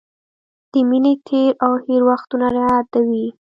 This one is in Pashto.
د مینې تېر او هېر وختونه رايادوي.